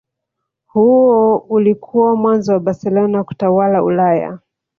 Huo ulikuwa mwanzo wa Barcelona kutawala Ulaya